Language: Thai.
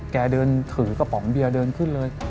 เดินถือกระป๋องเบียร์เดินขึ้นเลย